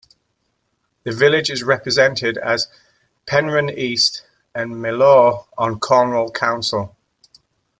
The village is represented as Penryn East and Mylor on Cornwall Council.